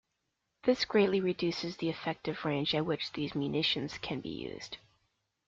This greatly reduces the effective range at which these munitions can be used.